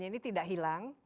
dan ini tidak hilang